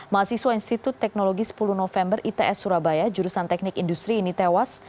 mahasiswa institut teknologi sepuluh november its surabaya jurusan teknik industri ini tewas